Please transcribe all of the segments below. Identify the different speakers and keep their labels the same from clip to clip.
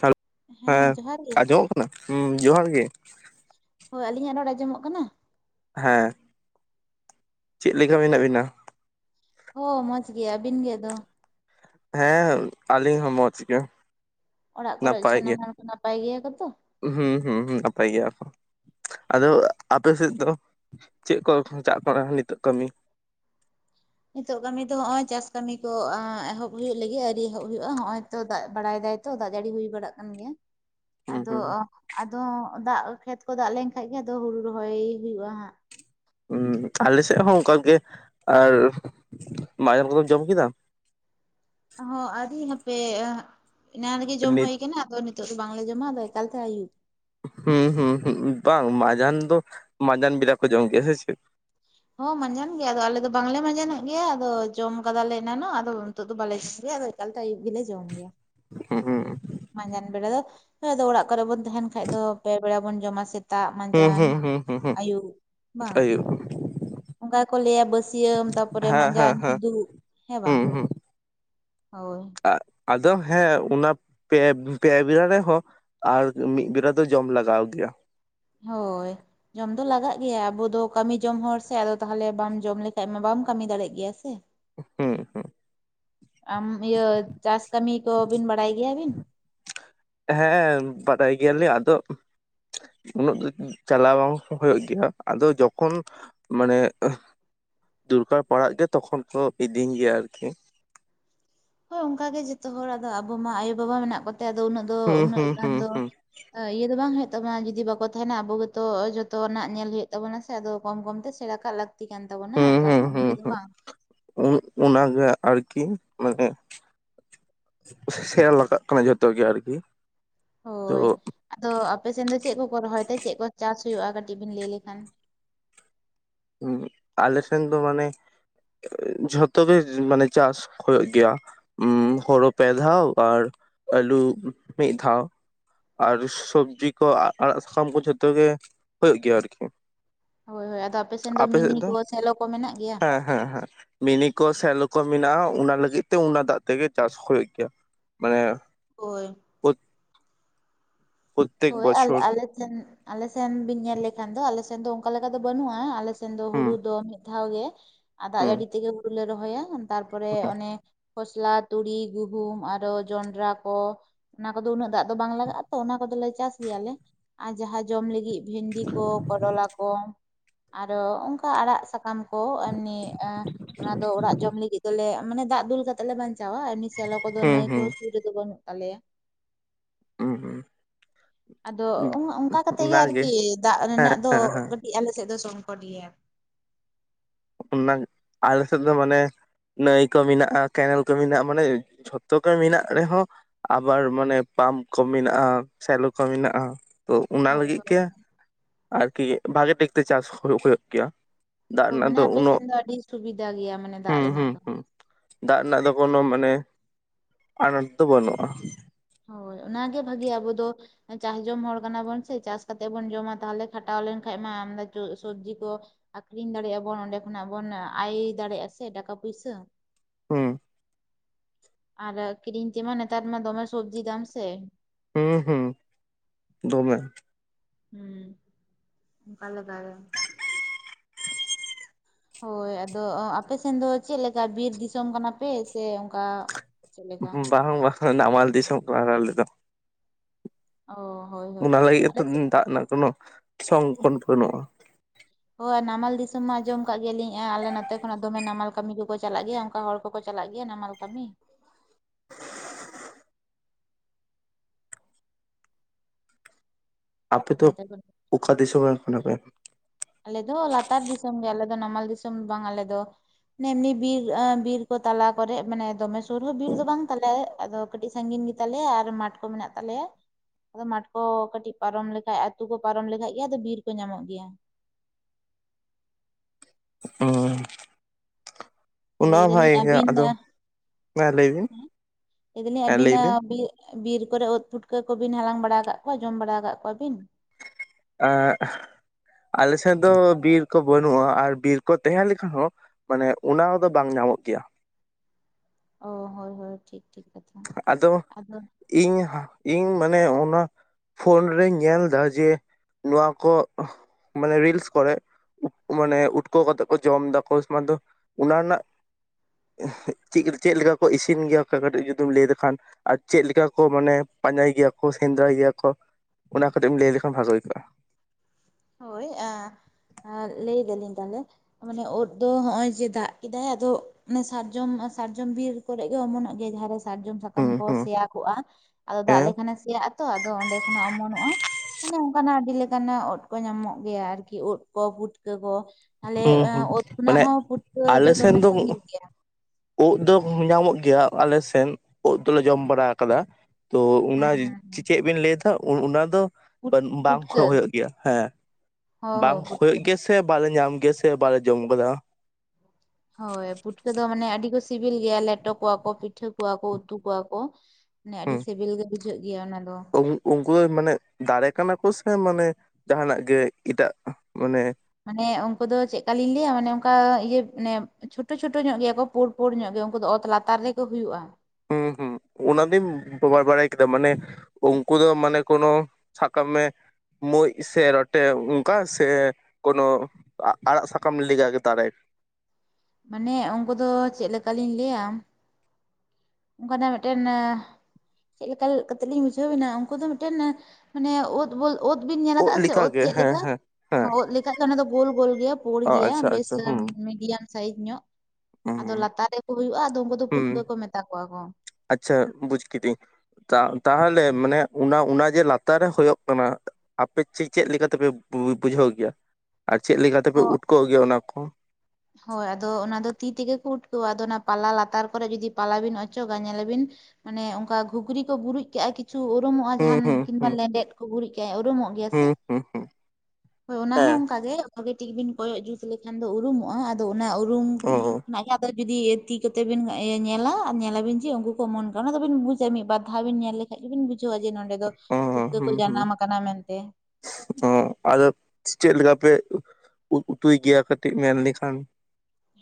Speaker 1: Hello ᱦᱮᱸ
Speaker 2: ᱡᱚᱦᱟᱨ ᱜᱮ
Speaker 1: ᱟᱸᱡᱚᱢᱚᱜ ᱠᱟᱱᱟ ᱦᱩᱸ ᱡᱚᱦᱟᱨ ᱜᱮ
Speaker 2: ᱦᱳᱭ ᱟᱹᱞᱤᱧᱟᱜ ᱨᱚᱲ ᱟᱸᱡᱚᱢᱚᱜ ᱠᱟᱱᱟ
Speaker 1: ᱦᱮᱸ ᱪᱮᱫ ᱞᱮᱠᱟ ᱢᱮᱱᱟᱜ ᱵᱤᱱᱟ
Speaker 2: ᱦᱚᱸ ᱢᱚᱡᱽ ᱜᱮ ᱟᱹᱵᱤᱱ ᱜᱮ ᱟᱫᱚ
Speaker 1: ᱦᱮᱸ ᱟᱹᱞᱤᱧ ᱦᱚᱸ ᱢᱚᱡᱽ ᱜᱮ
Speaker 2: ᱚᱲᱟᱜ ᱠᱚᱨᱮᱜ
Speaker 1: ᱱᱟᱯᱟᱭ ᱜᱮ
Speaker 2: ᱥᱟᱱᱟᱢ ᱦᱚᱲ ᱱᱟᱯᱟᱭ ᱜᱮᱭᱟ ᱠᱚ ᱛᱚ
Speaker 1: ᱦᱩᱸ ᱦᱩᱸ ᱦᱩᱸ ᱱᱟᱯᱟᱭ ᱜᱮᱭᱟ ᱠᱚ ᱟᱫᱚ ᱟᱯ ᱥᱮᱫ ᱫᱚ ᱪᱮᱫ ᱠᱚ ᱪᱟᱜ ᱠᱟᱱᱟ ᱱᱤᱛᱚᱜ ᱠᱟᱹᱢᱤ?
Speaker 2: ᱱᱤᱛᱚᱜ ᱠᱟᱢᱤ ᱫᱚ ᱦᱚᱜᱼᱚᱭ ᱪᱟᱥ ᱠᱟᱹᱢᱤ ᱠᱚ ᱮᱦᱚᱵ ᱦᱩᱭᱩᱜ ᱞᱟᱹᱜᱤᱫ ᱟᱹᱨᱤ ᱮᱦᱚᱵ ᱦᱩᱭᱩᱜᱼᱟ ᱦᱚᱜᱼᱚᱭ ᱼᱼ ᱛᱚ ᱫᱟᱜ ᱵᱟᱲᱟᱭ ᱫᱟᱭ ᱛᱚ ᱫᱟᱜ ᱡᱟᱹᱲᱤ ᱦᱩᱭ ᱵᱟᱲᱟᱜ ᱠᱟᱱ ᱜᱮᱭᱟ
Speaker 1: ᱦᱩᱸ
Speaker 2: ᱟᱫᱚ
Speaker 1: ᱦᱩᱸ
Speaker 2: ᱟᱫᱚ ᱫᱟᱜ ᱠᱷᱮᱛ ᱠᱚ ᱫᱟᱜ ᱞᱮᱱᱠᱷᱟᱱ ᱜᱮ ᱟᱫᱚ ᱦᱩᱲᱩ ᱨᱚᱦᱚᱭ ᱦᱩᱭᱩᱜ-ᱟ ᱦᱟᱸᱜ ᱾
Speaker 1: ᱦᱩᱸ ᱟᱞᱮ ᱥᱮᱜ ᱦᱚᱸ ᱚᱝᱠᱟ ᱜᱮ ᱟᱨ ᱢᱟᱭᱟᱨ ᱠᱚᱫᱚᱢ ᱡᱚᱢ ᱠᱮᱫᱟ?
Speaker 2: ᱦᱚᱸ ᱟᱹᱣᱨᱤ ᱦᱟᱯᱮ ᱮᱱᱟ ᱨᱮᱜᱮ ᱡᱚᱢ
Speaker 1: ᱱᱤᱛ
Speaker 2: ᱦᱳᱭ ᱠᱟᱱᱟ ᱟᱫᱚ ᱱᱤ ᱛᱳᱜ ᱫᱚ ᱵᱟᱝᱞᱮ ᱡᱚᱢᱟ ᱟᱫᱚ ᱮᱠᱟᱞᱛᱮ ᱟᱭᱩᱵ
Speaker 1: ᱦᱩᱸ ᱦᱩᱸ ᱦᱩᱸ ᱵᱟᱝ ᱢᱟᱸᱡᱟᱱ ᱫᱚ ᱢᱟᱸᱡᱟᱱ ᱵᱤᱨᱟ ᱠᱚ ᱡᱚᱢ ᱜᱮᱭᱟ ᱥᱮ ᱪᱮᱫ
Speaker 2: ᱦᱚᱸ ᱢᱟᱸᱡᱟᱱ ᱜᱮ ᱟᱫᱚ ᱟᱞᱮ ᱫᱚ ᱵᱟᱝᱞᱮ ᱢᱟᱸᱡᱟᱱ ᱱᱚᱜ ᱜᱮᱭᱟ ᱟᱫᱚ ᱡᱚᱢ ᱠᱟᱫᱟᱞᱮ ᱮᱱᱟᱱᱚᱜ ᱟᱫᱚ ᱱᱤᱛᱚᱜ ᱫᱚ ᱵᱟᱞᱮ ᱤᱥᱭᱟ ᱟᱫᱚ ᱮᱠᱟᱞ ᱛᱮ ᱟᱭᱩᱵ ᱜᱮᱞᱮ ᱡᱚᱢ ᱜᱮᱭᱟ
Speaker 1: ᱦᱩᱸ ᱦᱩᱸ
Speaker 2: ᱢᱟᱸᱡᱟᱱ ᱵᱮᱲᱟ ᱫᱚ ᱦᱳᱭ ᱟᱫᱚ ᱚᱲᱟᱜ ᱠᱚᱨᱮ ᱵᱚᱱ ᱛᱟᱦᱮᱱ ᱠᱷᱟᱡ ᱫᱚ ᱯᱮ ᱵᱮᱲᱟ ᱵᱚᱱ ᱡᱚᱢᱟ ᱥᱮ ᱛᱟᱜ
Speaker 1: ᱦᱩᱸ
Speaker 2: ᱢᱟᱸᱡᱟᱱ
Speaker 1: ᱦᱩᱸ ᱦᱩᱸ ᱦᱩᱸ ᱦᱩᱸ
Speaker 2: ᱟᱭᱩᱵ ᱵᱟᱝ
Speaker 1: ᱟᱹᱭᱩᱵ
Speaker 2: ᱚᱝᱠᱟ ᱜᱮ ᱠᱚ ᱞᱟᱹᱭᱟ ᱵᱟᱹᱥᱭᱟᱹᱢ ᱛᱟᱯᱚᱨᱮ
Speaker 1: ᱦᱮᱸ ᱦᱮᱸ
Speaker 2: ᱢᱟᱸᱡᱟᱱ
Speaker 1: ᱦᱮᱸ
Speaker 2: ᱠᱤᱫᱩᱜ ᱦᱮᱸ ᱵᱟᱝ
Speaker 1: ᱦᱩᱸ ᱦᱩᱸ
Speaker 2: ᱦᱳᱭ
Speaker 1: [inaudible] ᱟᱫᱚ ᱦᱮᱸ ᱚᱱᱟ ᱯᱮ ᱯᱮ ᱵᱮᱨᱟ ᱨᱮ ᱦᱚᱸ ᱟᱨ ᱢᱤᱫ ᱵᱮᱨᱟ ᱫᱚ ᱡᱚᱢ ᱞᱟᱜᱟᱣ ᱜᱮᱭᱟ
Speaker 2: ᱦᱳᱭ ᱡᱚᱢ ᱫᱚ ᱞᱟᱜᱟᱜ ᱜᱮᱭᱟ ᱟᱵᱚ ᱫᱚ ᱠᱟᱹᱢᱤ ᱡᱚᱢ ᱦᱚᱲ ᱥᱮ ᱟᱫᱚ ᱛᱟᱦᱚᱞᱮ ᱵᱟᱢ ᱡᱚᱢ ᱞᱮᱠᱷᱟᱡ ᱢᱟ ᱵᱟᱢ ᱠᱟᱹᱢᱤ ᱫᱟᱨᱮᱜ ᱜᱮᱭᱟ ᱥᱮ
Speaker 1: ᱦᱩᱸ ᱦᱩᱸ
Speaker 2: ᱟᱢ ᱤᱭᱟᱹ ᱪᱟᱥ ᱠᱟᱹᱢᱤ ᱠᱚ ᱵᱤᱱ ᱵᱟᱲᱟᱭ ᱜᱮᱭᱟ ᱵᱤᱱ
Speaker 1: ᱦᱮᱸ ᱵᱟᱰᱟᱭ ᱜᱮᱭᱟᱞᱮ ᱟᱫᱚ᱾ ᱩᱱᱟᱹᱜ ᱫᱚ ᱪᱟᱞᱟᱣ ᱵᱟᱝ ᱦᱳᱭᱳᱜ ᱜᱮᱭᱟ ᱟᱫᱚ ᱡᱚᱠᱷᱚᱱ ᱢᱟᱱᱮ ᱫᱩᱨᱠᱟᱨ ᱯᱟᱲᱟᱜ ᱜᱮ ᱛᱚᱠᱷᱚᱱ ᱠᱚ ᱤᱫᱤᱧ ᱜᱮᱭᱟ ᱟᱨᱠᱤ
Speaker 2: ᱦᱳᱭ ᱚᱝᱠᱟ ᱜᱮ ᱡᱚᱛᱚ ᱦᱚᱲ ᱟᱫᱚ ᱟᱵᱚ ᱢᱟ ᱟᱭᱳ-ᱵᱟᱵᱟ ᱢᱮᱱᱟᱜ ᱠᱚᱛᱮ ᱟᱫᱚ ᱩᱱᱟᱹᱜ ᱫᱚ
Speaker 1: ᱦᱩᱸ
Speaker 2: ᱩᱱᱟᱹᱜ
Speaker 1: ᱦᱩᱸ
Speaker 2: ᱜᱟᱱ
Speaker 1: ᱦᱩᱸ
Speaker 2: ᱫᱚ
Speaker 1: ᱦᱩᱸ
Speaker 2: ᱤᱭᱟᱹ ᱫᱚ ᱵᱟᱝ ᱦᱳᱭᱳᱜ ᱛᱟᱢᱟ ᱡᱩᱫᱤ ᱵᱟᱠᱚ ᱛᱟᱦᱮᱱᱟ ᱟᱵᱚ ᱜᱮᱛᱚ ᱡᱚᱛᱚ ᱱᱟᱜ ᱧᱮᱞ ᱦᱳᱭᱳᱜ ᱛᱟᱵᱚᱱᱟ ᱥᱮ ᱦᱮ ᱟᱫᱚ ᱠᱚᱢ ᱠᱚᱢ ᱛᱮ ᱥᱮᱸᱬᱟ ᱠᱟᱜ ᱞᱟᱹᱠᱛᱤ ᱠᱟᱱ ᱛᱟᱵᱚᱱᱟ ᱪᱟᱥ ᱠᱟᱹᱢᱤ ᱨᱮ ᱫᱚ ᱵᱟᱝ᱾
Speaker 1: ᱩᱸᱜ ᱚᱱᱟ ᱜᱮ ᱟᱨᱠᱤ ᱢᱟᱱᱮ [inaudible] ᱦᱮᱸ ᱞᱟᱜᱟᱜ ᱠᱟᱱᱟ ᱡᱚᱛᱚ ᱜᱮ ᱟᱨᱠᱤ [inaudible]
Speaker 2: ᱦᱳᱭ ᱟᱫᱚ ᱟᱯᱮ ᱥᱮᱱ ᱫᱚ ᱪᱮᱫ ᱠᱚ ᱠᱚ ᱨᱚᱦᱚᱭ ᱛᱮ ᱪᱮᱫ ᱠᱚ ᱪᱟᱥ ᱦᱩᱭᱩᱜ-ᱟ ᱠᱟᱹᱴᱤᱡ ᱵᱤᱱ ᱞᱟᱹᱭ ᱞᱮᱠᱷᱟᱱ᱾
Speaker 1: ᱩᱸᱜ ᱟᱞᱮᱥᱮᱱ ᱫᱚ ᱢᱟᱱᱮ ᱡᱷᱚᱛᱚ ᱜᱮ ᱢᱟᱱᱮ ᱪᱟᱥ ᱦᱳᱭᱳᱜ ᱜᱮᱭᱟ ᱦᱳᱲᱳ ᱯᱮ ᱫᱷᱟᱣ ᱟᱨ ᱟᱹᱞᱩ ᱢᱤᱫ ᱫᱷᱟᱣ ᱟᱨ ᱥᱚᱵᱽᱡᱤ ᱠᱚ ᱟᱲᱟᱜ ᱥᱟᱠᱟᱢ ᱠᱚ ᱡᱷᱚᱛᱚ ᱜᱮ ᱦᱳᱭᱳᱜ ᱜᱮᱭᱟ ᱟᱨᱠᱤ
Speaker 2: ᱦᱳᱭ ᱦᱳᱭ ᱟᱫᱚ ᱟᱯᱮ ᱥᱮᱱ ᱫᱚ ᱢᱤᱱᱤ ᱠᱚ ᱥᱮᱞᱚ ᱠᱚ ᱢᱮᱱᱟᱜ ᱜᱮᱭᱟ᱾
Speaker 1: ᱦᱮᱸ ᱦᱮᱸ ᱦᱮᱸ ᱢᱤᱱᱤ ᱠᱚ ᱥᱮᱞᱚ ᱠᱚ ᱢᱮᱱᱟᱜ-ᱟ ᱚᱱᱟ ᱞᱟᱹᱜᱤᱫ ᱛᱮ ᱚᱱᱟ ᱫᱟᱜ ᱛᱮ ᱜᱮ ᱪᱟᱥ ᱦᱩᱭᱩᱜ ᱜᱮᱭᱟ᱾ [inaudible]
Speaker 2: ᱦᱳᱭ
Speaker 1: [inaudible] ᱯᱨᱚᱛᱛᱮᱠ
Speaker 2: ᱦᱳᱭ ᱟᱞ
Speaker 1: ᱵᱚᱪᱷᱚᱨ
Speaker 2: ᱟᱞᱮ ᱴᱷᱮᱱ ᱟᱞᱮ ᱥᱮᱱ ᱵᱤᱱ ᱧᱮᱞ ᱞᱮᱠᱷᱟᱱ ᱫᱚ ᱟᱞᱮ ᱥᱮᱱ ᱫᱚ ᱚᱱᱠᱟ ᱞᱮᱠᱟ ᱫᱚ ᱵᱟᱹᱱᱩᱜ-ᱟ ᱟᱞᱮ ᱥᱮᱱ ᱫᱚ
Speaker 1: ᱦᱩᱸ
Speaker 2: ᱦᱩᱲᱩ ᱫᱚ ᱢᱤᱫ ᱫᱷᱟᱣ ᱜᱮ ᱟᱨ ᱫᱟᱜ
Speaker 1: ᱦᱩᱸ
Speaker 2: ᱡᱟᱹᱲᱤ ᱛᱮᱜᱮ ᱦᱩᱲᱩ ᱞᱮ ᱨᱚᱦᱚᱭᱟ ᱛᱟᱨᱯᱚᱨᱮ
Speaker 1: ᱦᱩᱸ
Speaker 2: ᱚᱱᱮ ᱠᱷᱚᱥᱞᱟ ᱛᱩᱲᱤ ᱜᱩᱦᱩᱢ ᱟᱨᱚ ᱡᱚᱱᱰᱨᱟ ᱠᱚ ᱚᱱᱟ ᱠᱚᱫᱚ ᱩᱱᱟᱹᱜ ᱫᱟᱜ ᱫᱚ ᱵᱟᱝ ᱞᱟᱜᱟᱜᱼᱟ ᱛᱚ ᱚᱱᱟ ᱠᱚᱫᱚᱞᱮ ᱪᱟᱥ ᱜᱮᱭᱟᱞᱮ ᱟᱨ ᱡᱟᱦᱟᱸ ᱡᱚᱢ ᱞᱟᱹᱜᱤᱫ ᱵᱷᱮᱱᱰᱤ ᱠᱚ ᱠᱚᱨᱚᱞᱟ ᱠᱚ ᱟᱨᱚ ᱚᱱᱠᱟ ᱟᱲᱟᱜ ᱥᱟᱠᱟᱢ ᱠᱚ ᱮᱢᱱᱤ ᱚᱱᱟ ᱫᱚ ᱚᱲᱟᱜ ᱡᱚᱢ ᱞᱟᱹᱜᱤᱫ ᱫᱚᱚᱞᱮ ᱢᱟᱱᱮ ᱫᱟᱜ ᱫᱩᱞ ᱠᱟᱛᱮᱜ ᱞᱮ ᱵᱟᱧᱪᱟᱣᱟ ᱟᱨ ᱮᱢᱱᱤ ᱥᱮᱞᱚ ᱠᱚᱫᱚ
Speaker 1: ᱦᱩᱸ
Speaker 2: ᱱᱟᱹᱭ ᱠᱚ
Speaker 1: ᱦᱩᱸ
Speaker 2: ᱥᱩᱨ ᱨᱮᱫᱚ ᱵᱟᱹᱱᱩᱜ ᱛᱟᱞᱮᱭᱟ ᱾
Speaker 1: ᱦᱩᱸ
Speaker 2: ᱟᱫᱚ
Speaker 1: ᱦᱩᱸ
Speaker 2: ᱚᱱᱠᱟ ᱠᱟᱛᱮᱫ ᱜᱮ
Speaker 1: ᱚᱱᱟᱜᱮ
Speaker 2: ᱟᱨᱠᱤ ᱫᱟᱜ
Speaker 1: ᱦᱮᱸ
Speaker 2: ᱨᱮᱱᱟᱜ ᱫᱚ
Speaker 1: ᱦᱮᱸ ᱦᱮᱸ
Speaker 2: ᱠᱟᱹᱴᱤᱡ ᱟᱞᱮᱥᱮᱫ ᱫᱚ ᱥᱚᱝᱠᱚᱴ ᱜᱮᱭᱟ ᱾
Speaker 1: ᱚᱱᱟ ᱟᱞᱮ ᱥᱮᱫ ᱫᱚ ᱢᱟᱱᱮ ᱱᱟᱹᱭ ᱠᱚ ᱢᱮᱱᱟᱜᱼᱟ ᱠᱮᱱᱮᱞ ᱠᱚ ᱢᱮᱱᱟᱜᱼᱟ ᱢᱟᱱᱮ ᱡᱷᱚᱛᱚ ᱠᱚ ᱢᱮᱱᱟᱜ ᱨᱮᱦᱚᱸ ᱟᱵᱟᱨ ᱢᱟᱱᱮ ᱯᱟᱢᱯ ᱠᱚ ᱢᱮᱱᱟᱜᱼᱟ ᱥᱮᱞᱚ ᱠᱚ ᱢᱮᱱᱟᱜᱼᱟ ᱛᱚ ᱚᱱᱟ
Speaker 2: ᱦᱳᱭ
Speaker 1: ᱞᱟᱹᱜᱤᱫ
Speaker 2: ᱦᱳᱭ
Speaker 1: ᱜᱮ ᱟᱨᱠᱤ ᱵᱷᱟᱜᱮ ᱴᱷᱤᱠ ᱛᱮ ᱪᱟᱥ ᱦᱩᱭᱩᱜ ᱦᱩᱭᱩᱜ ᱜᱮᱮᱭᱟ ᱫᱟᱜ ᱨᱮᱱᱟᱜ ᱫᱚ ᱩᱱᱟᱹᱜ
Speaker 2: ᱟᱯᱮᱥᱮᱱ ᱫᱚ ᱟᱹᱰᱤ ᱥᱩᱵᱤᱫᱟ ᱜᱮᱭᱟ ᱢᱟᱱᱮ ᱫᱟᱜ
Speaker 1: ᱦᱩᱸ ᱦᱩᱸ
Speaker 2: ᱨᱮᱱᱟᱜ ᱫᱚ
Speaker 1: ᱫᱟᱜ ᱨᱮᱱᱟᱜ ᱫᱚ ᱠᱳᱱᱚ ᱢᱟᱱᱮ ᱟᱱᱟᱴ ᱫᱚ ᱵᱟᱹᱱᱩᱜᱼᱟ ᱾
Speaker 2: ᱦᱳᱭ ᱚᱱᱟᱜᱮ ᱵᱷᱟᱹᱜᱤᱭᱟ ᱟᱵᱚ ᱫᱚ ᱪᱟᱥ ᱡᱚᱢ ᱦᱚᱲ ᱠᱟᱱᱟ ᱵᱚᱱ ᱥᱮ ᱪᱟᱥ ᱠᱟᱛᱮᱜ ᱵᱚᱱ ᱡᱚᱢᱟ ᱛᱟᱦᱞᱮ ᱠᱷᱟᱴᱟᱣ ᱞᱮᱱᱠᱷᱟᱡ ᱢᱟ ᱟᱢᱫᱟ ᱥᱚᱵᱡᱤ ᱠᱚ ᱟᱠᱷᱨᱤᱧ ᱫᱟᱲᱮᱭᱟᱜᱼᱟ ᱵᱚᱱ ᱚᱸᱰᱮ ᱠᱷᱚᱱᱟᱜ ᱵᱚᱱ ᱟᱭ ᱫᱟᱲᱮᱭᱟᱜᱼᱟ ᱥᱮ ᱴᱟᱠᱟ ᱯᱩᱭᱥᱟᱹ ᱾
Speaker 1: ᱦᱩᱸ
Speaker 2: ᱟᱨ ᱠᱤᱨᱤᱧ ᱛᱮ ᱢᱟ ᱱᱮᱛᱟᱨ ᱢᱟ ᱫᱚᱢᱮ ᱥᱚᱵᱽᱡᱤ ᱫᱟᱢ ᱥᱮ
Speaker 1: ᱦᱩᱸ ᱦᱩᱸ ᱫᱚᱢᱮ
Speaker 2: ᱦᱩᱸᱠᱟᱞ [unintelligible] ᱦᱳᱭ ᱟᱫᱚ ᱟᱯᱮ ᱥᱮᱱ ᱫᱚ ᱪᱮᱫ ᱞᱮᱠᱟ ᱵᱤᱨ ᱫᱤᱥᱚᱢ ᱠᱟᱱᱟ ᱯᱮ ᱥᱮ ᱚᱱᱠᱟ ᱪᱮᱫ ᱞᱮᱠᱟ
Speaker 1: ᱵᱟᱝ ᱵᱟᱝ ᱱᱟᱢᱟᱞ ᱫᱤᱥᱚᱢ ᱠᱟᱱᱟ ᱞᱮ ᱟᱞᱮ ᱫᱚ
Speaker 2: ᱚ ᱦᱳᱭ ᱦᱳᱭ
Speaker 1: ᱚᱱᱟ ᱞᱟᱹᱜᱤᱫ
Speaker 2: ᱟᱞᱮ
Speaker 1: ᱜᱮᱛᱚ
Speaker 2: ᱥᱮᱫ
Speaker 1: ᱫᱟᱜ ᱨᱮᱱᱟᱜ ᱠᱚᱱᱚ ᱥᱚᱝᱠᱚᱱ ᱵᱟᱹᱱᱩᱜᱼᱟ
Speaker 2: ᱦᱳᱭ ᱱᱟᱢᱟᱞ ᱫᱤᱥᱚᱢ ᱢᱟ ᱟᱸᱡᱚᱢ ᱠᱟᱜ ᱜᱮᱭᱟ ᱞᱤᱧ ᱟᱞᱮ ᱱᱚᱛᱮ ᱠᱷᱱᱟᱜ ᱫᱚᱢᱮ ᱱᱟᱢᱟᱞ ᱠᱟᱹᱢᱤ ᱠᱚᱠᱚ ᱪᱟᱞᱟᱜ ᱜᱮᱭᱟ ᱚᱱᱠᱟ ᱦᱚᱲ ᱠᱚ ᱠᱚ ᱠᱚ ᱪᱟᱞᱟᱜ ᱜᱮᱭᱟ ᱱᱟᱢᱟᱞ ᱠᱟᱹᱢᱤ
Speaker 1: ᱟᱯᱮ ᱫᱚ
Speaker 2: ᱱᱚᱛᱮ ᱠᱷᱚᱱ
Speaker 1: ᱚᱠᱟ ᱫᱤᱥᱚᱢ ᱨᱮᱱ ᱠᱟᱱᱟ ᱯᱮ
Speaker 2: ᱟᱞᱮ ᱫᱚ ᱞᱟᱛᱟᱨ ᱫᱤᱥᱚᱢ ᱜᱮ ᱟᱞᱮ ᱫᱚ ᱱᱟᱢᱟᱞ ᱫᱤᱥᱚᱢ ᱫᱚ ᱵᱟᱝ ᱟᱞᱮ ᱫᱚ ᱮᱢᱱᱤ ᱵᱤᱨ ᱵᱤᱨ ᱠᱚ ᱛᱟᱞᱟ ᱠᱚᱨᱮ ᱢᱟᱱᱮ ᱫᱚᱢᱮ ᱥᱩᱨ ᱦᱚᱸ ᱵᱤᱨ ᱫᱚ ᱵᱟᱝ ᱛᱟᱞᱮ ᱟᱫᱚ ᱠᱟᱹᱴᱤᱡ ᱥᱟᱺᱜᱤᱧ ᱜᱮ ᱛᱟᱞᱮᱭᱟ ᱟᱨ ᱢᱟᱴᱷ ᱠᱚ ᱢᱮᱱᱟᱜ ᱛᱟᱞᱮᱭᱟ ᱟᱫᱚ ᱢᱟᱴᱠᱚ ᱠᱟᱹᱴᱤᱡ ᱯᱟᱨᱚᱢ ᱞᱮᱠᱷᱟᱡ ᱟᱹᱛᱩ ᱠᱚ ᱯᱟᱨᱚᱢ ᱞᱮᱠᱷᱟᱡ ᱜᱮ ᱟᱫᱚ ᱵᱤᱨ ᱠᱚ ᱧᱟᱢᱚᱜ ᱜᱮᱭᱟ
Speaker 1: ᱚᱱᱟ
Speaker 2: ᱞᱟᱹᱭ ᱮᱫᱟ ᱞᱤᱧ
Speaker 1: ᱵᱷᱟᱜᱮ
Speaker 2: ᱟᱹᱵᱤ
Speaker 1: ᱜᱮ
Speaker 2: ᱦᱮᱸ
Speaker 1: ᱟᱫᱚ ᱦᱮᱸ ᱞᱟᱹᱭ ᱵᱤᱱ
Speaker 2: ᱞᱟᱹᱭᱫᱟ ᱞᱤᱧ
Speaker 1: ᱦᱮᱸ ᱞᱟᱹᱭ ᱵᱤᱱ
Speaker 2: ᱟᱹᱵᱤᱱᱟᱜ ᱵᱤᱨ ᱠᱚ ᱨᱮ ᱩᱫ ᱯᱷᱩᱠᱟᱹ ᱠᱚᱵᱤᱱ ᱦᱟᱞᱟᱝ ᱵᱟᱲᱟ ᱟᱠᱟᱫ ᱠᱚᱣᱟ ᱡᱚᱢ ᱵᱟᱲᱟ ᱟᱠᱟᱫ ᱠᱚᱣᱟ ᱵᱤᱱ
Speaker 1: ᱟᱞᱮ ᱥᱮᱫ ᱫᱚ ᱵᱤᱨ ᱠᱚ ᱵᱟᱹᱱᱩᱜᱼᱟ ᱟᱨ ᱵᱤᱨ ᱠᱚ ᱛᱟᱦᱮᱸ ᱞᱮᱱᱠᱷᱟᱱ ᱦᱚᱸ ᱢᱟᱱᱮ ᱚᱱᱟ ᱫᱚ ᱵᱟᱝ ᱧᱟᱢᱚᱜ ᱜᱮᱭᱟ
Speaker 2: ᱚ ᱦᱳᱭ ᱦᱳᱭ ᱴᱷᱤᱠ ᱴᱷᱤᱠ ᱠᱟᱛᱷᱟ ᱟᱫᱚ
Speaker 1: ᱤᱧ ᱤᱧ ᱢᱟᱱᱮ ᱚᱱᱟ ᱯᱷᱳᱱ ᱨᱮᱧ ᱧᱮᱞ ᱫᱟ ᱡᱮ ᱱᱚᱣᱟ ᱠᱚ ᱢᱟᱱᱮ ᱨᱤᱞᱥ ᱠᱚᱨᱮ ᱢᱟᱱᱮ ᱩᱴᱠᱟᱹᱣ ᱠᱟᱛᱮᱫ ᱠᱚ ᱡᱚᱢ ᱫᱟ ᱠᱚ ᱟᱫᱚ ᱚᱱᱟ ᱨᱮᱱᱟᱜ ᱪᱮᱫ ᱪᱮᱫ ᱞᱮᱠᱟ ᱠᱚ ᱤᱥᱤᱱ ᱜᱮᱭᱟ ᱚᱠᱟ ᱠᱟᱹᱴᱤᱡ ᱡᱩᱫᱤ ᱛᱩᱢ ᱞᱟᱹᱭ ᱞᱮᱠᱷᱟᱱ ᱟᱨ ᱪᱮᱫ ᱞᱮᱠᱟ ᱠᱚ ᱢᱟᱱᱮ ᱯᱟᱸᱡᱟᱭ ᱜᱮᱭᱟ ᱠᱚ ᱥᱮᱸᱫᱽᱨᱟᱭ ᱜᱮᱭᱟ ᱠᱚ ᱚᱱᱟ ᱠᱟᱹᱴᱤᱡ ᱮᱢ ᱞᱟᱹᱭ ᱞᱮᱠᱷᱟᱱ ᱵᱷᱟᱜᱮ ᱦᱩᱭ ᱠᱚᱜᱼᱟ
Speaker 2: ᱦᱳᱭ ᱟ ᱞᱟᱹᱭ ᱫᱟᱞᱤᱧ ᱛᱟᱦᱚᱞᱮ ᱢᱟᱱᱮ ᱩᱫ ᱫᱚ ᱦᱸᱚᱜᱼᱚᱭ ᱡᱮ ᱫᱟᱜ ᱠᱮᱫᱟᱭ ᱟᱫᱚ ᱮ ᱥᱟᱨᱡᱚᱢ ᱥᱟᱨᱡᱚᱢ ᱵᱤᱨ ᱠᱚᱨᱮ ᱜᱮ ᱚᱢᱚᱱᱚᱜ ᱜᱮᱭᱟ ᱡᱟᱦᱟᱸᱨᱮ ᱥᱟᱨᱡᱚᱢ ᱥᱟᱠᱟᱢ
Speaker 1: ᱦᱩᱸ
Speaker 2: ᱠᱚ
Speaker 1: ᱦᱩᱸ
Speaker 2: ᱥᱮᱭᱟ ᱠᱚᱜᱼᱟ ᱟᱫᱚ ᱫᱟᱜ
Speaker 1: ᱦᱮᱸ
Speaker 2: ᱞᱮᱠᱷᱟᱱ ᱮ ᱥᱮᱭᱟᱜ ᱟᱛᱚ ᱟᱫᱚ ᱚᱸᱰᱮ ᱠᱷᱚᱱᱟᱜ ᱚᱢᱚᱱᱚᱜᱼᱟ ᱢᱟᱱᱮ ᱚᱱᱠᱟᱱᱟᱜ ᱟᱹᱰᱤ ᱞᱮᱠᱟᱱᱟᱜ ᱳᱱ ᱠᱚ ᱧᱟᱢᱚᱜ ᱜᱮᱭᱟ ᱟᱨᱠᱤ ᱳᱱ ᱠᱚ ᱯᱩᱴᱠᱟᱹ ᱠᱚ ᱟᱞᱮ
Speaker 1: ᱦᱩᱸ ᱦᱩᱸ
Speaker 2: ᱳᱫ ᱠᱷᱚᱱᱟᱜ
Speaker 1: ᱢᱟᱱᱮ
Speaker 2: ᱦᱚᱸ ᱯᱷᱩᱴᱠᱟᱹ ᱫᱚ
Speaker 1: ᱟᱞᱮ ᱥᱮᱱ
Speaker 2: ᱫᱚᱢᱮ ᱥᱤᱵᱤᱞ ᱜᱮᱭᱟ
Speaker 1: ᱳᱫ ᱫᱚ ᱧᱟᱢᱚᱜ ᱜᱮᱭᱟ ᱟᱞᱮ ᱥᱮᱱ ᱳᱫ ᱫᱚᱞᱮ ᱡᱚᱢ ᱵᱟᱲᱟ ᱟᱠᱟᱫᱟ ᱛᱚ ᱚᱱᱟ
Speaker 2: ᱦᱮᱸ ᱦᱮᱸ ᱦᱮᱸ
Speaker 1: ᱪᱮᱫ ᱵᱮᱱ ᱞᱟᱹᱭᱮᱫᱟ ᱚᱱᱟ ᱫᱚ
Speaker 2: ᱯᱩᱴ
Speaker 1: ᱵᱟᱹᱱ ᱵᱟᱝ
Speaker 2: ᱯᱩᱴᱠᱟᱹ
Speaker 1: ᱦᱩᱭᱩᱜ ᱜᱮᱭᱟ ᱦᱮᱸ
Speaker 2: ᱦᱚᱸ
Speaker 1: ᱵᱟᱝ
Speaker 2: ᱦᱚᱸ
Speaker 1: ᱦᱩᱭᱩᱜ
Speaker 2: ᱯᱩᱴᱠᱟᱹ
Speaker 1: ᱜᱮᱭᱟ ᱥᱮ ᱥᱮ ᱵᱟᱞᱮ ᱧᱟᱢ ᱜᱮᱭᱟ ᱥᱮ ᱵᱟᱞᱮ ᱡᱚᱢ ᱟᱠᱟᱫᱟ
Speaker 2: ᱦᱳᱭ ᱯᱩᱴᱠᱟᱹ ᱫᱚ ᱢᱟᱱᱮ ᱟᱹᱰᱤ ᱠᱚ ᱥᱤᱵᱤᱞ ᱜᱮᱭᱟ ᱞᱮᱴᱚ ᱠᱚᱣᱟ ᱠᱚ ᱯᱤᱴᱷᱟᱹ ᱠᱚᱣᱟ ᱠᱚ ᱩᱛᱩ ᱠᱚᱣᱟ ᱠᱚ ᱦᱮ ᱟᱹᱰᱤ ᱥᱮᱵᱤᱞ ᱜᱮ ᱵᱩᱡᱷᱟᱹᱜ ᱜᱮᱭᱟ ᱚᱱᱟ ᱫᱚ
Speaker 1: ᱩᱱ ᱩᱱᱠᱩ ᱫᱚ ᱢᱟᱱᱮ ᱫᱟᱨᱮ ᱠᱟᱱᱟ ᱠᱚ ᱥᱮ ᱢᱟᱱᱮ ᱡᱟᱦᱟᱸᱱᱟᱜ ᱜᱮ ᱮᱴᱟᱜ ᱢᱟᱱᱮ
Speaker 2: ᱢᱟᱱᱮ ᱩᱱᱠᱩ ᱫᱚ ᱪᱮᱫ ᱠᱟᱞᱤᱧ ᱞᱟᱹᱭᱟ ᱢᱟᱱᱮ ᱚᱱᱠᱟ ᱤᱭᱟᱹ ᱱᱮᱢ ᱪᱷᱳᱴᱳ ᱪᱷᱳᱴᱳ ᱧᱚᱜ ᱜᱮᱭᱟ ᱠᱚ ᱯᱩᱸᱰ ᱯᱩᱸᱰ ᱧᱚᱜ ᱜᱮ ᱩᱱᱠᱩ ᱫᱚ ᱚᱛ ᱞᱟᱛᱟᱨ ᱨᱮᱠᱚ ᱦᱩᱭᱩᱜ-ᱟ᱾
Speaker 1: ᱦᱩᱸ ᱦᱩᱸ ᱚᱱᱟ ᱫᱚᱧ ᱵᱟᱲᱟᱭ ᱠᱮᱫᱟ ᱢᱟᱱᱮ ᱩᱱᱠᱩ ᱫᱚ ᱢᱟᱱᱮ ᱠᱳᱱᱳ ᱥᱟᱜ ᱠᱟᱜ ᱢᱮ ᱢᱩᱡᱽ ᱥᱮ ᱨᱚᱴᱮ ᱚᱱᱠᱟ ᱥᱮ ᱠᱳᱱᱳ ᱟᱨᱟᱜ ᱥᱟᱠᱟᱢ ᱞᱮᱠᱟ ᱜᱮ ᱫᱟᱨᱮ
Speaker 2: ᱢᱟᱱᱮ ᱩᱱᱠᱩ ᱫᱚ ᱪᱮᱫ ᱞᱮᱠᱟ ᱞᱤᱧ ᱞᱟᱹᱭᱟ ᱚᱱᱠᱟᱱᱟᱜ ᱢᱤᱫᱴᱮᱱ ᱮᱸ ᱪᱮᱫ ᱞᱮᱠᱟ ᱠᱟᱛᱮᱜ ᱞᱤᱧ ᱵᱩᱡᱷᱟᱹᱣ ᱵᱮᱱᱟ ᱩᱱᱠᱩ ᱫᱚ ᱢᱤᱫᱴᱮᱱ ᱢᱟᱱᱮ ᱩᱫ ᱩᱵᱩᱞ ᱩᱫ ᱵᱤᱱ ᱧᱮᱞ ᱟᱠᱟᱜ-ᱟ ᱥᱮ ᱳᱫ
Speaker 1: ᱞᱮᱠᱟᱜᱮ
Speaker 2: ᱪᱮᱫ
Speaker 1: ᱦᱮᱸ
Speaker 2: ᱞᱮᱠᱟ?
Speaker 1: ᱦᱮᱸ ᱦᱮᱸ
Speaker 2: ᱳᱫ ᱞᱮᱠᱟ ᱫᱚ ᱚᱱᱟ ᱫᱚ ᱜᱳᱞ ᱜᱳᱞ ᱜᱮᱭᱟ ᱯᱩᱲ
Speaker 1: ᱚ
Speaker 2: ᱜᱮᱭᱟ
Speaker 1: ᱟᱪᱪᱷᱟ
Speaker 2: ᱵᱮᱥ
Speaker 1: ᱟᱪᱪᱷᱟ ᱦᱩᱸ
Speaker 2: ᱢᱤᱰᱤᱭᱟᱱ ᱥᱟᱭᱤᱡ ᱧᱚᱜ ᱟᱫᱚ
Speaker 1: ᱦᱩᱸ
Speaker 2: ᱞᱟᱛᱟᱨ ᱨᱮᱠᱚ ᱦᱩᱭᱩᱜ-ᱟ ᱟᱫᱚ ᱩᱱᱠᱩ ᱫᱚ
Speaker 1: ᱦᱩᱸ
Speaker 2: ᱯᱩᱴᱠᱟᱹ ᱠᱚ ᱢᱮᱛᱟ ᱠᱚᱣᱟ ᱠᱚ
Speaker 1: ᱟᱪᱪᱷᱟ ᱵᱩᱡᱽ ᱠᱤᱫᱤᱧ ᱛᱟᱜ ᱛᱟᱦᱚᱞᱮ ᱢᱟᱱᱮ ᱚᱱᱟ ᱚᱱᱟ ᱡᱮ ᱞᱟᱛᱟᱨ ᱨᱮ ᱦᱳᱭᱳᱜ ᱠᱟᱱᱟ ᱟᱯᱮ ᱪᱮᱫ ᱪᱮᱫ ᱞᱮᱠᱟ ᱛᱮᱯᱮ ᱵᱩᱵᱩᱡᱷᱟᱹᱣ ᱜᱮᱭᱟ ᱟᱨ ᱪᱮᱫ ᱞᱮᱠᱟ ᱛᱮᱯᱮ ᱩᱴᱠᱟᱹᱣ ᱜᱮᱭᱟ ᱚᱱᱟ ᱠᱚ
Speaker 2: ᱦᱚᱭ ᱟᱫᱚ ᱚᱱᱟ ᱫᱚ ᱛᱤ ᱛᱮᱜᱮ ᱠᱚ ᱩᱴᱠᱟᱹᱣᱟ ᱟᱫᱚ ᱚᱱᱟ ᱯᱟᱞᱟ ᱞᱟᱛᱟᱨ ᱠᱚᱨᱮ ᱡᱩᱫᱤ ᱯᱟᱞᱟ ᱵᱤᱱ ᱚᱪᱚᱜᱟ ᱧᱮᱞᱞᱟ ᱵᱤᱱ ᱢᱟᱱᱮ ᱚᱱᱠᱟ ᱜᱷᱩᱜᱽᱨᱤ ᱠᱚ ᱜᱩᱨᱩᱡ ᱠᱟᱜ-ᱟ ᱠᱤᱛ... ᱠᱤᱪᱷᱩ ᱩᱨᱩᱢᱚᱜ-ᱟ
Speaker 1: ᱦᱩᱸ
Speaker 2: ᱡᱟᱦᱟᱱ
Speaker 1: ᱦᱩᱸ
Speaker 2: ᱠᱤᱱᱵᱟ
Speaker 1: ᱦᱩᱸ
Speaker 2: ᱞᱮᱸᱰᱮᱫ ᱠᱚ ᱜᱩᱨᱤᱡ ᱠᱟᱜ-ᱟ ᱩᱨᱩᱢᱚᱜ ᱜᱮᱭᱟ ᱥᱮ
Speaker 1: ᱦᱩᱸ ᱦᱩᱸ ᱦᱩᱸ
Speaker 2: ᱦᱳᱭ ᱚᱱᱟ ᱦᱚᱸ
Speaker 1: ᱦᱮᱸ
Speaker 2: ᱚᱱᱠᱟᱜᱮ ᱵᱷᱟᱜᱤ ᱴᱷᱤᱠ ᱵᱤᱱ ᱠᱚᱭᱚᱜ ᱡᱩᱛ ᱞᱮᱠᱷᱟᱱ ᱫᱚ ᱩᱨᱩᱢᱚᱜ-ᱟ ᱟᱫᱚ ᱚᱱᱟ ᱩᱨᱩᱢ...
Speaker 1: ᱚ
Speaker 2: ᱱᱤᱭᱟ. ᱫᱚ ᱡᱩᱫᱤ ᱛᱤ ᱠᱚᱛᱮ ᱵᱤᱱ ᱤᱭᱟᱹ ᱧᱮᱞᱟ ᱟᱨ ᱧᱮᱞ ᱟᱵᱤᱱ ᱡᱮ ᱩᱱᱠᱩ ᱠᱚ ᱚᱢᱚᱱ ᱠᱟᱱᱟ ᱚᱱᱟ ᱫᱚ ᱵᱤᱱ ᱵᱩᱡᱟ ᱢᱤᱫ ᱵᱟᱨ ᱫᱷᱟᱣ ᱵᱤᱱ ᱧᱮᱞ ᱞᱮᱠᱷ... ᱠᱷᱟᱡ ᱜᱮ ᱵᱤᱱ ᱵᱩᱡᱷᱟᱹᱣᱟ ᱡᱮ ᱱᱚᱸᱰᱮ ᱫᱚ ᱯᱩᱴᱠᱟᱹ ᱠᱚ ᱡᱟᱱᱟᱢ ᱟᱠᱟᱱᱟ ᱢᱮᱱᱛᱮ
Speaker 1: ᱚᱸ... ᱟᱫᱚ ᱪᱮᱫ ᱞᱮᱠᱟ ᱯᱮ ᱩᱛᱩᱭ ᱜᱮᱭᱟ ᱠᱟᱹᱴᱤᱡ ᱢᱮᱱ ᱞᱮᱠᱷᱟᱱ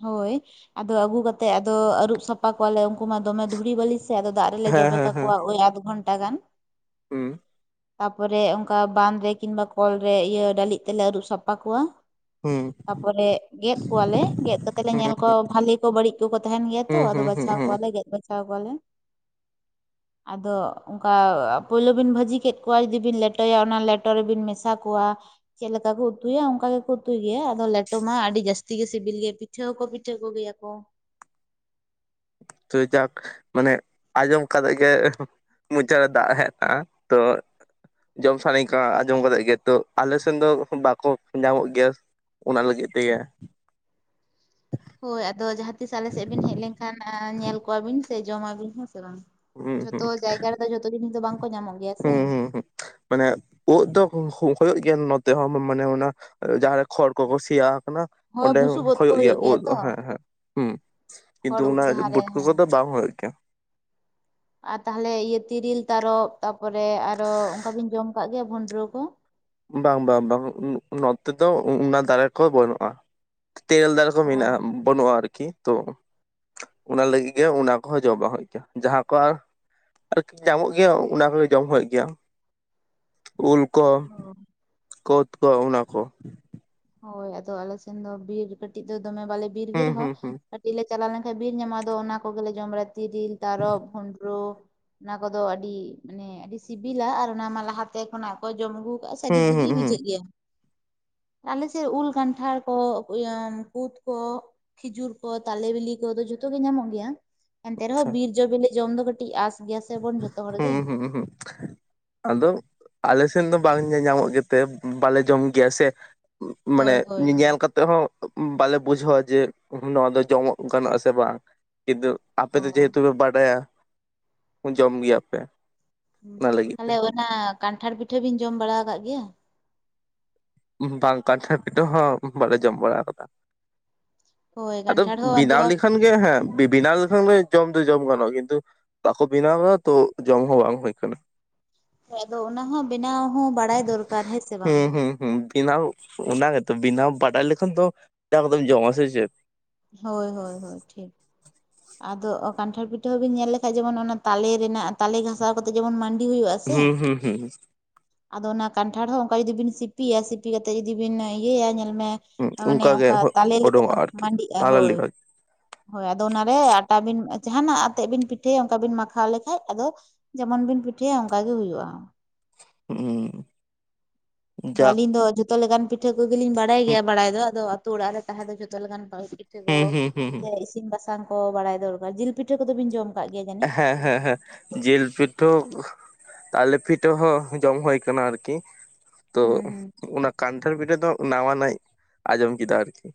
Speaker 2: ᱦᱳᱭ ᱟᱫᱚ ᱟᱹᱜᱩ ᱠᱟᱛᱮᱫ ᱟᱫᱚ ᱟᱹᱨᱩᱵ ᱥᱟᱯ... ᱯᱟ ᱠᱚᱣᱟᱞᱮ ᱩᱱᱠᱩ ᱢᱟ ᱫᱚᱢᱮ ᱫᱷᱩᱲᱤ ᱵᱟᱹᱞᱤ ᱥᱮ ᱟᱫᱚ ᱫᱟᱜ ᱨᱮᱞᱮ
Speaker 1: ᱦᱮᱸ
Speaker 2: ᱡᱚᱵᱮ
Speaker 1: ᱦᱮᱸ ᱦᱮᱸ
Speaker 2: ᱠᱟᱠᱚᱣᱟ ᱳᱭ ᱟᱫᱷ ᱜᱷᱚᱱᱴᱟ ᱜᱟᱱ
Speaker 1: ᱦᱩᱸ
Speaker 2: ᱛᱟᱯᱚᱨᱮ ᱚᱱᱠᱟ ᱵᱟᱸᱫᱷ ᱨᱮ ᱠᱤ ᱵᱟᱝᱢᱵᱟᱠᱚᱞ ᱨᱮ ᱤᱭᱟᱹ ᱰᱟᱹᱞᱤᱡ ᱛᱮᱞᱮ ᱟᱹᱨᱩᱵ ᱥᱟᱯᱷᱟ ᱠᱚᱣᱟ
Speaker 1: ᱦᱩᱸ
Speaker 2: ᱛᱟᱯᱚᱨᱮ ᱜᱮᱫ ᱠᱚᱣᱟᱞᱮ ᱜᱮᱫ ᱠᱟᱛᱮ ᱞᱮ
Speaker 1: ᱦᱩᱸ
Speaker 2: ᱧᱮᱞ ᱠᱚᱣᱟ ᱵᱷᱟᱞᱤ ᱠᱚ ᱵᱟᱹᱲᱤᱡ ᱠᱚᱠᱚ ᱛᱟᱦᱮᱱ ᱜᱮᱭᱟ ᱛᱚ
Speaker 1: ᱦᱩᱸ
Speaker 2: ᱟᱫᱚ
Speaker 1: ᱦᱩᱸ ᱦᱩᱸ
Speaker 2: ᱵᱟᱪᱷᱟᱣ
Speaker 1: ᱦᱩᱸ
Speaker 2: ᱠᱚᱣᱟᱞᱮ ᱜᱮᱫ ᱵᱟᱪ... ᱪᱟᱣ ᱠᱚᱣᱟ ᱞᱮ [inaudible] ᱟᱫᱚ ᱚᱱᱠᱟ ᱯᱳᱭᱞᱳ ᱵᱤᱱ ᱵᱷᱟᱹᱡᱤ ᱠᱮᱫ ᱠᱚᱣᱟ ᱡᱩᱫᱤ ᱵᱤᱱ ᱞᱮᱴᱚᱭᱟ ᱚᱱᱟ ᱞᱮᱴᱚ ᱨᱮᱵᱤᱱ ᱢᱮᱥᱟ ᱠᱚᱣᱟ᱾ ᱪᱮᱫ ᱞᱮᱠᱟ ᱵᱩ ᱩᱛᱩᱭᱟ ᱚᱱᱠᱟ ᱜᱮᱠᱚ ᱩᱛᱩᱭ ᱜᱮᱭᱟ ᱟᱫᱚ ᱞᱮᱴᱚ ᱢᱟ ᱟᱹᱰᱤ ᱡᱟᱹᱥᱛᱤ ᱜᱮ ᱥᱤᱵᱤᱞ ᱜᱮ ᱯᱤᱴᱷᱟᱹ ᱦᱚᱸ ᱠᱚ ᱯᱤᱴᱷᱟᱹ ᱠᱚ ᱜᱮᱭᱟ ᱠᱚ
Speaker 1: ᱛᱩᱭ ᱛᱟᱠ.. ᱢᱟᱱᱮ ᱟᱸᱡᱚᱢ ᱠᱟᱛᱮ ᱜᱮ ᱢᱚᱪᱟ ᱨᱮ ᱫᱟᱜ ᱦᱮᱡ ᱮᱱᱟ ᱛᱚ ᱡᱚᱢ ᱥᱟᱱᱟᱧ ᱠᱟᱱᱟ ᱟᱸᱡᱚᱢ ᱠᱟᱛᱮ ᱜᱮ ᱛᱚ ᱟᱞᱮ ᱥᱮᱱ ᱫᱚ ᱵᱟᱠᱚ ᱧᱟᱢᱚᱜ ᱜᱮᱭᱟ᱾ ᱚᱱᱟ ᱞᱟᱹᱜᱤᱫ ᱛᱮᱜᱮ
Speaker 2: ᱦᱳᱭ ᱟᱫᱚ ᱡᱟᱦᱟᱸ ᱛᱤᱥ ᱟᱞᱮ ᱥᱮᱫ ᱵᱤᱱ ᱦᱮᱡ ᱞᱮᱱᱠᱷᱟᱱ ᱧᱮᱞ ᱠᱚᱣᱟ ᱵᱤᱱ ᱥᱮ ᱡᱚᱢᱟᱵᱤᱱ ᱦᱮᱸ ᱥᱮ ᱵᱟᱝ
Speaker 1: ᱦᱩᱸ ᱦᱩᱸ
Speaker 2: ᱡᱷᱚᱛᱚ ᱡᱟᱭᱜᱟ ᱨᱮᱫᱚ ᱡᱷᱚᱛᱚ ᱡᱤᱱᱤᱥ ᱫᱚ ᱵᱟᱝ ᱠᱚ ᱧᱟᱢᱚᱜ ᱜᱮᱭᱟ ᱥᱮ
Speaker 1: [unintelligible] ᱢᱟᱱᱮ ᱩᱫ ᱫᱚ ᱦᱩᱭᱩᱜ ᱜᱮᱭᱟ ᱱᱚᱛᱮ ᱦᱚᱸ ᱢᱟᱱᱮ ᱚᱱᱟ ᱡᱟᱦᱟᱸ ᱨᱮ ᱠᱷᱚᱲ ᱠᱚᱠᱚ ᱥᱮᱭᱟ ᱟᱠᱟᱱᱟ
Speaker 2: ᱦᱳᱭ
Speaker 1: ᱚᱸᱰᱮ ᱦᱚᱸ
Speaker 2: ᱵᱩᱥᱩᱵ ᱩᱫ ᱠᱚ
Speaker 1: ᱦᱩᱭᱩᱜ ᱜᱮᱭᱟ ᱩᱫ
Speaker 2: ᱛᱚ
Speaker 1: ᱦᱮᱸ ᱦᱮᱸ ᱦᱩᱸ ᱠᱤᱱᱛᱩ
Speaker 2: ᱠᱷᱚᱲ ᱩᱫ
Speaker 1: ᱚᱱᱟ
Speaker 2: ᱡᱟᱦᱟᱸ ᱨᱮ ᱦᱮᱸ
Speaker 1: ᱵᱩᱴᱠᱟᱹ
Speaker 2: ᱦᱮᱸ᱾
Speaker 1: ᱠᱚᱫᱚ ᱵᱟᱝ ᱦᱩᱭᱩᱜ ᱜᱮᱭᱟ᱾
Speaker 2: ᱟᱨ ᱛᱟᱦᱚᱞᱮ ᱤᱭᱟᱹ ᱛᱤᱨᱤᱞ ᱛᱟᱨᱚᱯ ᱛᱟᱯᱚᱨᱮ ᱟᱨᱚ ᱚᱱᱠᱟ ᱵᱤᱱ ᱡᱚᱢ ᱠᱟᱜ ᱜᱮᱭᱟ ᱵᱷᱚᱸᱰᱨᱚ ᱠᱚ?
Speaker 1: ᱵᱟᱝ ᱵᱟᱝ ᱵᱟᱝ ᱱᱚᱛᱮ ᱫᱚ ᱚᱱᱟ ᱫᱟᱨᱮ ᱠᱚ ᱵᱟᱹᱱᱩᱜ-ᱟ ᱛᱮᱨᱮᱞ ᱫᱟᱨᱮ
Speaker 2: ᱚ
Speaker 1: ᱢᱮᱱᱟᱜᱼᱟ ᱵᱟᱹᱱᱩᱜᱼᱟ ᱟᱨᱠᱤ ᱛᱚᱼᱼ ᱚᱱᱟ ᱞᱟᱹᱜᱤᱫ ᱜᱮ ᱚᱱᱟ ᱠᱚᱦᱚᱸ ᱡᱚᱢ ᱵᱟᱝ ᱦᱩᱭᱩᱜ ᱜᱮᱭᱟ ᱡᱟᱦᱟᱸ ᱠᱚ ᱟᱨᱼᱼ ᱟᱨᱠᱤ ᱧᱟᱢᱚᱜ ᱜᱮᱭᱟ ᱚᱱᱟ ᱠᱚᱜᱮ ᱡᱚᱢ ᱦᱩᱭᱩᱜ ᱜᱮᱭᱟ ᱩᱞ ᱠᱚᱼᱼ
Speaker 2: ᱚ
Speaker 1: ᱠᱳᱫ ᱠᱚ ᱚᱱᱟ ᱠᱚ,
Speaker 2: ᱦᱳᱭ ᱟᱫᱚ ᱟᱞᱮ ᱥᱮᱱ ᱫᱚ ᱵᱤᱨ ᱠᱟᱹᱴᱤᱡ ᱫᱚ ᱫᱚᱢᱮ ᱵᱟᱞᱮ ᱵᱤᱨ ᱜᱮ
Speaker 1: ᱦᱩᱸ
Speaker 2: ᱨᱮᱦᱚᱸᱼᱼ
Speaker 1: ᱦᱩᱸ ᱦᱩᱸ
Speaker 2: ᱠᱟᱹᱴᱤᱡ ᱞᱮ ᱪᱟᱞᱟᱣ ᱞᱮᱱᱠᱟᱱ ᱵᱤᱨ ᱧᱟᱢᱚᱜ ᱟᱫᱚ ᱚᱱᱟ ᱠᱚᱜᱮᱞᱮ ᱡᱚᱢ ᱵᱟᱲᱟ ᱛᱤᱨᱤᱞ, ᱛᱟᱨᱚᱵ, ᱵᱷᱩᱸᱰᱨᱚ, ᱚᱱᱟ ᱠᱚᱫᱚ ᱟᱹᱰᱤ ᱢᱟᱱᱮ ᱟᱹᱰᱤ ᱥᱤᱵᱤᱞᱟ ᱟᱨ ᱚᱱᱟᱢᱟ ᱞᱟᱦᱟᱛᱮ ᱠᱷᱚᱱᱟᱜ ᱚᱠᱚᱭ ᱡᱚᱢ ᱟᱹᱜᱩᱼᱼ ᱟᱹᱰᱤ
Speaker 1: ᱦᱩᱸ
Speaker 2: ᱵᱷᱟᱹᱜᱤ
Speaker 1: ᱦᱩᱸ ᱦᱩᱸ
Speaker 2: ᱵᱩᱡᱷᱟᱹᱜ ᱜᱮᱭᱟ ᱟᱞᱮ ᱥᱮᱫ ᱩᱞ ᱠᱟᱱᱴᱷᱟᱲ ᱠᱚ ᱤᱭᱟ. ᱠᱩᱛ ᱠᱚ ᱠᱷᱤᱡᱩᱨ ᱠᱚ ᱛᱟᱞᱮ ᱵᱤᱞᱤ ᱠᱚᱫᱚ ᱡᱚᱛᱚ ᱜᱮ ᱧᱟᱢᱚᱜ ᱜᱮᱭᱟ ᱮᱱᱛᱮ ᱨᱮᱦᱚᱸ
Speaker 1: ᱟᱪᱪᱷᱟ
Speaker 2: ᱵᱤᱨ ᱡᱚ ᱵᱮᱞᱮ ᱡᱚᱢ ᱫᱚ ᱠᱟᱹᱴᱤᱡ ᱟᱸᱥ ᱜᱮᱭᱟ ᱥᱮᱵᱚᱱ ᱡᱚᱛᱚ ᱦᱚᱲ ᱜᱮ
Speaker 1: ᱦᱩᱸ ᱦᱩᱸ ᱦᱩᱸ ᱟᱫᱚ ᱟᱞᱮ ᱥᱮᱱ ᱫᱚ ᱵᱟᱝ ᱧᱮᱧᱟᱢᱚᱜ ᱜᱮᱛᱮ ᱵᱟᱞᱮ ᱡᱚᱢ ᱜᱮᱭᱟ ᱥᱮ ᱢᱟᱱᱮ
Speaker 2: ᱦᱳᱭ ᱦᱳᱭ
Speaker 1: ᱧᱮ
Speaker 2: ᱦᱳᱭ
Speaker 1: ᱧᱮᱞ ᱠᱟᱛᱮ ᱛᱮᱦᱚᱸ ᱵᱟᱞᱮ ᱵᱩᱡᱷᱟᱹᱣᱟ ᱡᱮ ᱱᱚᱣᱟ ᱫᱚ ᱡᱚᱢᱚᱜ ᱜᱟᱱᱚᱜ-ᱟ ᱥᱮ ᱵᱟᱝ ᱠᱤᱱᱛᱩᱼᱼ ᱟᱯᱮ ᱫᱚ
Speaker 2: ᱦᱳᱭ᱾
Speaker 1: ᱡᱮᱦᱮᱛᱩ ᱯᱮ ᱵᱟᱰᱟᱭᱟ ᱡᱚᱢ ᱜᱮᱭᱟ ᱯᱮ
Speaker 2: ᱛᱟᱦᱞᱮ ᱚᱱᱟ ᱠᱟᱱᱴᱷᱟᱲ ᱯᱤᱴᱷᱟᱹ ᱵᱤᱱ ᱡᱚᱢ ᱵᱟᱲᱟ ᱟᱠᱟᱫ ᱜᱮᱭᱟ?
Speaker 1: ᱵᱟᱝ ᱠᱟᱱᱴᱷᱟᱲ ᱯᱤᱴᱷᱟᱹ ᱦᱚᱸ ᱵᱟᱞᱮ ᱡᱚᱢ ᱵᱟᱲᱟ ᱟᱠᱟᱫᱟ᱾
Speaker 2: ᱦᱳᱭ
Speaker 1: ᱟᱫᱚ
Speaker 2: ᱠᱟᱱᱴᱷᱟᱲ ᱦᱚᱸ ᱟᱫᱚ
Speaker 1: ᱵᱮᱱᱟᱣ ᱞᱤᱠᱷᱟᱱᱼᱼ ᱦᱮᱸ ᱵᱤᱱᱟᱣ ᱞᱮᱠᱷᱟᱱ ᱜᱮ ᱡᱚᱢ ᱫᱚ ᱡᱚᱢ ᱜᱟᱱᱚᱜᱼᱟ ᱠᱤᱱᱛᱩᱼᱼ ᱵᱟᱠᱚ ᱵᱮᱱᱟᱣᱫᱟ ᱛᱚ ᱡᱚᱢ ᱦᱚᱸ ᱵᱟᱝ ᱦᱩᱭ ᱟᱠᱟᱱᱟ᱾
Speaker 2: ᱦᱮᱸ ᱟᱫᱚ ᱚᱱᱟ ᱦᱚᱸ ᱵᱮᱱᱟᱣ ᱦᱚᱸ ᱵᱟᱲᱟᱭ ᱫᱚᱨᱠᱟᱨ᱾ ᱦᱮᱸ ᱥᱮ ᱵᱟᱝ?
Speaker 1: ᱦᱩᱢ ᱵᱮᱱᱟᱣ ᱚᱱᱟᱜᱮᱛᱚ ᱵᱮᱱᱟᱣ ᱵᱟᱰᱟᱭ ᱞᱮᱠᱷᱟᱱ ᱫᱚ [unintelligible] ᱠᱟᱛᱮᱜ ᱮᱢ ᱡᱚᱢᱟ᱾ ᱥᱮ ᱪᱮᱫ?
Speaker 2: ᱦᱳᱭ ᱦᱳᱭ ᱦᱳᱭ ᱴᱷᱤᱠ᱾ ᱟᱫᱚ ᱠᱟᱱᱴᱷᱟᱲ ᱯᱤᱴᱷᱟᱹ ᱦᱚᱸ ᱵᱤᱱ ᱧᱮᱞ ᱞᱮᱠᱷᱟᱡ ᱡᱮᱢᱚᱱ ᱚᱱᱟ ᱛᱟᱞᱮ ᱨᱮᱱᱟᱜ ᱛᱟᱞᱮ ᱜᱷᱟ ᱥᱟᱣ ᱠᱟᱛᱮ ᱡᱮᱢᱚᱱ ᱢᱟᱱᱰᱤ ᱦᱩᱭᱩᱜᱼᱟ ᱥᱮ᱾
Speaker 1: ᱦᱩᱸ ᱦᱩᱸ ᱦᱩᱸ
Speaker 2: ᱟᱫᱚ ᱚᱱᱟ ᱠᱟᱱᱴᱷᱟᱲ ᱦᱚᱸ ᱚᱱᱠᱟ ᱡᱩᱫᱤ ᱵᱤᱱ ᱥᱤᱯᱤᱭᱟ ᱥᱤᱯᱤ ᱠᱟᱛᱮᱫ ᱡᱩᱫᱤ ᱵᱤᱱ ᱤᱭᱟᱹᱭᱟ ᱧᱮᱞ ᱢᱮ᱾
Speaker 1: ᱦᱩᱸ
Speaker 2: ᱢᱟᱱᱮ
Speaker 1: ᱚᱱᱠᱟᱜᱮ
Speaker 2: ᱚᱱᱠᱟ ᱛᱟᱞᱮ ᱞᱮᱠᱟ
Speaker 1: ᱚᱰᱚᱝᱚᱜᱼᱟ ᱟᱨᱠᱤ
Speaker 2: ᱢᱟᱹᱰᱤᱜᱼᱟ
Speaker 1: ᱛᱟᱞᱟ
Speaker 2: ᱦᱳᱭ
Speaker 1: ᱞᱮᱠᱟᱜᱮ
Speaker 2: ᱦᱳᱭ ᱟᱫᱚ ᱚᱱᱟ ᱵᱮ ᱟᱴᱟ ᱵᱤᱱ ᱡᱟᱦᱟᱱᱟᱜ ᱟᱛᱮᱫ ᱵᱤᱱ ᱯᱤᱴᱷᱟᱹᱭᱟ ᱚᱱᱠᱟ ᱵᱤᱱ ᱢᱟᱠᱷᱟᱣ ᱞᱮᱠᱷᱟᱡ ᱟᱫᱚ ᱡᱮᱢᱚᱱ ᱵᱤᱱ ᱯᱤᱴᱷᱟᱹᱭᱟ ᱚᱱᱠᱟ ᱜᱮ ᱦᱩᱭᱩᱜᱼᱟ᱾
Speaker 1: ᱦᱩᱸᱻ
Speaker 2: ᱟᱫᱚ ᱟᱞᱤᱧ ᱫᱚ ᱡᱷᱚᱛᱚ ᱞᱮᱠᱟᱱ ᱯᱤᱴᱷᱟᱹ ᱠᱚᱜᱮᱞᱤᱧ ᱵᱟᱲᱟᱭ ᱜᱮᱭᱟ ᱵᱟᱲᱟᱭ ᱫᱚ ᱟᱫᱚ ᱟᱛᱳ ᱚᱲᱟᱜ ᱨᱮ ᱛᱟᱦᱮᱸ ᱫᱚ ᱡᱷᱚᱛᱚ ᱞᱮᱠᱟᱱ ᱯᱤᱴᱷᱟᱹ ᱠᱚ
Speaker 1: ᱦᱩᱸ ᱦᱩᱸ ᱦᱩᱸ ᱦᱩᱸ
Speaker 2: ᱥᱮ ᱤᱥᱤᱱ ᱵᱟᱥᱟᱝ ᱠᱚ ᱵᱟᱲᱟᱭ ᱫᱚᱨᱠᱟᱨ ᱡᱤᱞ ᱯᱤᱴᱷᱟᱹ ᱠᱚᱫᱚ ᱵᱤᱱ ᱡᱚᱢ ᱠᱟᱜ ᱜᱮᱭᱟ ᱡᱟᱹᱱᱤᱡ?
Speaker 1: ᱦᱮᱸ ᱦᱮᱸ ᱦᱮᱸ ᱡᱤᱞ ᱯᱤᱴᱷᱟᱹ ᱦᱚᱸ ᱛᱟᱞᱮ ᱯᱤᱴᱷᱟᱹ ᱦᱚᱸ ᱡᱚᱢ ᱦᱩᱭ ᱠᱟᱱᱟ ᱟᱨᱠᱤ᱾ ᱛᱚ
Speaker 2: ᱦᱩᱸ ᱦᱩᱸ
Speaker 1: ᱚᱱᱟ ᱠᱟᱱᱴᱷᱟᱲ ᱯᱤᱴᱷᱟᱹ ᱫᱚ ᱱᱟᱣᱟ ᱱᱟᱜ ᱟᱸᱡᱚᱢ ᱠᱮᱫᱟ ᱟᱨᱠᱤ᱾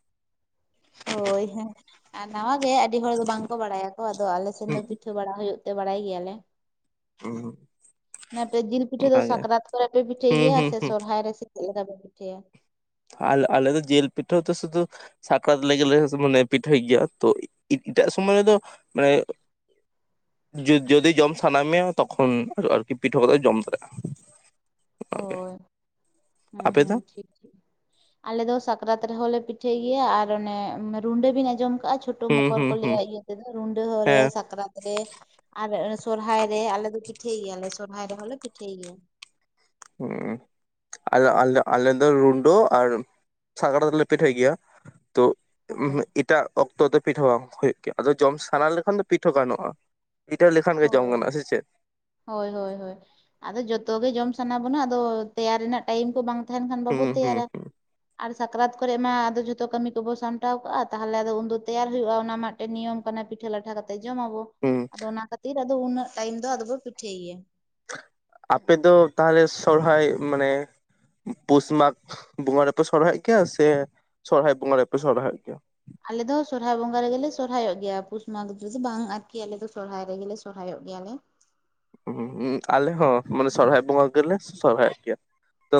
Speaker 2: ᱦᱳᱭ ᱦᱮᱸ ᱟᱨ ᱱᱟᱣᱟ ᱜᱮ ᱟᱹᱰᱤ ᱦᱚᱲ ᱫᱚ ᱵᱟᱝ ᱠᱚ ᱵᱟᱲᱟᱭᱟᱠᱚ ᱟᱫᱚ ᱟᱞᱮ ᱥᱮᱱ ᱫᱚ
Speaker 1: ᱦᱩᱸ
Speaker 2: ᱯᱤᱴᱷᱟᱹ ᱯᱤᱴᱷᱟᱹ ᱵᱟᱲᱟ ᱦᱩᱭᱩᱜ ᱛᱮ ᱵᱟᱲᱟᱭ ᱜᱮᱭᱟᱞᱮ᱾ ᱡᱤᱞ ᱯᱤᱴᱷᱟᱹ ᱫᱚ
Speaker 1: ᱚᱱᱟᱜᱮ
Speaker 2: ᱥᱟᱠᱨᱟᱛ ᱠᱚᱨᱮ ᱯᱮ ᱯᱤᱴᱷᱟᱹᱭ
Speaker 1: ᱦᱩᱸ
Speaker 2: ᱜᱮᱭᱟ
Speaker 1: ᱦᱩᱸ
Speaker 2: ᱥᱮ
Speaker 1: ᱦᱩᱸ
Speaker 2: ᱥᱚᱦᱨᱟᱭ ᱨᱮ? ᱪᱮ ᱞᱮᱠᱟ ᱯᱮ ᱯᱤᱴᱷᱟᱹᱭᱟ?
Speaker 1: ᱟᱞ ᱟᱞᱮ ᱫᱚ ᱡᱮᱞ ᱯᱤᱴᱷᱟᱹ ᱫᱚ ᱥᱩᱫᱩ ᱥᱟᱠᱨᱟᱛ ᱞᱮ ᱜᱮᱞᱮ ᱢᱟᱱᱮ ᱯᱤᱴᱷᱟᱹᱭ ᱜᱮᱭᱟ ᱛᱚ ᱮᱴᱟᱜ ᱥᱚᱢᱚᱭ ᱨᱮᱫᱚ ᱢᱟᱱᱮ ᱡᱩᱫ ᱡᱚᱫᱤ ᱡᱚᱢ ᱥᱟᱱᱟ ᱢᱮᱭᱟ ᱛᱚᱠᱷᱚᱱ ᱟᱨᱚ ᱟᱨᱠᱤ ᱯᱤᱴᱷᱟᱹ ᱠᱟᱛᱮ ᱡᱚᱢ ᱫᱟᱲᱮᱭᱟᱜᱼᱟ᱾ ᱜᱮ᱾
Speaker 2: ᱦᱳᱭ ᱦᱮᱸ
Speaker 1: ᱟᱯᱮ ᱫᱚ
Speaker 2: ᱦᱮᱸ ᱴᱷᱤᱠ᱾ ᱴᱷᱤᱠ ᱟᱞᱮ ᱫᱚ ᱥᱟᱠᱨᱟᱛ ᱨᱮᱦᱚᱸᱞᱮ ᱯᱤᱴᱷᱟᱹᱭ ᱜᱮᱭᱟ ᱟᱨ ᱚᱱᱮ ᱨᱩᱸᱰᱟᱹ ᱵᱤᱱ ᱟᱸᱡᱚᱢ ᱠᱟᱜᱼᱟ ᱪᱷᱚ ᱪᱷᱳᱴᱳ
Speaker 1: ᱦᱩᱸ
Speaker 2: ᱢᱚᱠᱚᱨ
Speaker 1: ᱦᱩᱸ
Speaker 2: ᱠᱚ
Speaker 1: ᱦᱩᱸ
Speaker 2: ᱞᱟᱹᱭᱼᱟ ᱤᱭᱟᱹ ᱛᱮᱫᱚ ᱨᱩᱸᱰᱟᱹ ᱦᱚᱨᱮ
Speaker 1: ᱦᱮᱸ
Speaker 2: ᱥᱟᱠᱨᱟᱛ ᱟᱨ ᱥᱚᱨᱦᱟᱭ ᱨᱮ ᱟᱞᱮ ᱫᱚ ᱯᱤᱴᱷᱟᱹᱭ ᱜᱮᱭᱟᱞᱮ ᱥᱚᱨᱦᱟᱭ ᱨᱮᱦᱚᱸᱞᱮ ᱯᱤᱴᱷᱟᱹᱭ ᱜᱮᱭᱟ᱾
Speaker 1: ᱦᱩᱸ ᱟ ᱟᱞ ᱟᱞᱮ ᱫᱚ ᱨᱩᱰᱟᱹ ᱟᱨ ᱥᱟᱠᱨᱟᱛ ᱨᱮ ᱞᱮ ᱯᱤᱴᱷᱟᱹᱭ ᱜᱮᱭᱟ ᱛᱚ
Speaker 2: ᱦᱳᱭ
Speaker 1: ᱮᱴᱟᱜ ᱚᱠᱛᱚ ᱫᱚ ᱯᱤᱴᱷᱟᱹ ᱵᱟᱝ ᱦᱩᱭᱩᱜ ᱜᱮᱭᱟ ᱟᱫᱚ ᱡᱚᱢ ᱥᱟᱱᱟ ᱞᱮᱠᱷᱟᱱ ᱫᱚ ᱯᱤᱴᱷᱟᱹ ᱜᱟᱱᱚᱜᱼᱟ᱾ ᱯᱤᱴᱷᱟᱹ ᱞᱮᱠᱷᱟᱱ ᱜᱮ ᱡᱚᱢ
Speaker 2: ᱦᱳᱭ
Speaker 1: ᱜᱟᱱᱚᱜ-ᱟ᱾ ᱥᱮ ᱪᱮᱫ?
Speaker 2: ᱦᱳᱭ ᱦᱳᱭ ᱦᱳᱭ ᱟᱫᱚ ᱡᱚᱛᱚ ᱜᱮ ᱡᱚᱢ ᱥᱟᱱᱟ ᱵᱚᱱᱟ ᱟᱫᱚ ᱛᱮᱭᱟᱨ ᱨᱮᱱᱟᱜ ᱴᱟᱭᱤᱢ ᱠᱚ ᱵᱟᱝ ᱛᱟᱦᱮᱱ ᱠᱷᱟᱱ ᱵᱟᱵᱚ
Speaker 1: ᱦᱩᱸ ᱦᱩᱸ
Speaker 2: ᱛᱮᱭᱟᱨᱟ᱾
Speaker 1: ᱦᱩᱸ
Speaker 2: ᱟᱨ ᱥᱟᱠᱨᱟᱛ ᱠᱚᱨᱮ ᱢᱟ ᱟᱫᱚ ᱡᱷᱚᱛᱚ ᱠᱟᱹᱢᱤ ᱠᱚᱵᱚ ᱥᱟᱢᱴᱟᱣ ᱠᱟᱜᱼᱟ ᱛᱟᱦᱚᱞᱮ ᱟᱫᱚ ᱩᱱᱫᱚ ᱛᱮᱭᱟᱨ ᱦᱩᱭᱩᱜᱼᱟ ᱚᱱᱟ ᱢᱟ ᱢᱤᱫᱴᱮᱱ ᱱᱤᱭᱚᱢ ᱠᱟᱱᱟ ᱯᱤᱴᱷᱟᱹ ᱞᱟᱴᱷᱟ ᱠᱟᱛᱮᱫ ᱡᱚᱢ ᱟᱸᱵᱚ᱾
Speaker 1: ᱦᱩᱸ
Speaker 2: ᱟᱫᱚ ᱚᱱᱟ ᱠᱷᱟᱹᱛᱤᱨ ᱟᱫᱚ ᱩᱱᱟᱹᱜ ᱴᱟᱭᱤᱢ ᱫᱚ ᱟᱫᱚᱵᱚ ᱯᱤᱴᱷᱟᱹᱭ ᱜᱮᱭᱟ᱾
Speaker 1: ᱟᱯᱮ ᱫᱚ ᱛᱟᱦᱚᱞᱮ ᱥᱚᱨᱦᱟᱭ ᱢᱟᱱᱮ ᱯᱩᱥ ᱢᱟᱜᱽ ᱵᱚᱸᱜᱟ ᱨᱮᱯᱮ ᱥᱚᱨᱦᱟᱭᱚᱜ ᱜᱮᱭᱟ ᱥᱮ ᱥᱚᱨᱦᱟᱭ ᱵᱚᱸᱜᱟ ᱨᱮᱯᱮ ᱥᱚᱨᱦᱟᱭᱚᱫ ᱜᱮᱭᱟ?
Speaker 2: ᱟᱞᱮᱫᱚ ᱥᱚᱨᱦᱟᱭ ᱵᱚᱸᱜᱟ ᱨᱮᱜᱮᱞᱮ ᱥᱚᱨᱦᱟᱭᱚᱜ ᱜᱮᱭᱟ ᱯᱩᱥ ᱢᱟᱸᱜᱷᱽ ᱨᱮᱫᱚ ᱵᱟᱝ ᱟᱨᱠᱤ ᱟᱞᱮ ᱫᱚ ᱥᱚᱨᱦᱟᱭ ᱨᱮᱜᱮ ᱥᱚᱨᱦᱟᱭᱚᱜ ᱜᱮᱭᱟᱞᱮ᱾
Speaker 1: ᱦᱩᱸ ᱦᱩᱸ ᱟᱞᱮ ᱦᱚᱸ ᱢᱟᱱᱮ ᱥᱚᱨᱦᱟᱭ ᱵᱚᱸᱜᱟ ᱜᱮᱞᱮ ᱥᱚᱨᱦᱟᱭ ᱟᱜ ᱜᱮᱭᱟ᱾ ᱛᱚ